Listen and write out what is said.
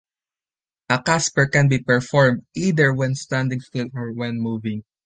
A casper can be performed either when standing still or when moving.